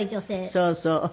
そうそう。